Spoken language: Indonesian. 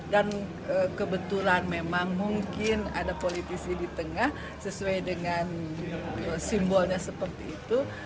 dan kebetulan memang mungkin ada politisi di tengah sesuai dengan simbolnya seperti itu